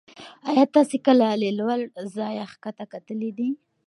ایا تاسې کله له لوړ ځایه کښته کتلي دي؟